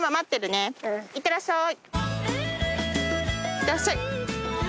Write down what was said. いってらっしゃい！